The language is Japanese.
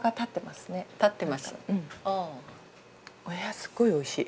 すごいおいしい。